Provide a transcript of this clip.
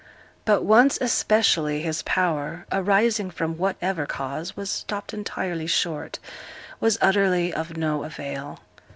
But once especially his power, arising from whatever cause, was stopped entirely short was utterly of no avail.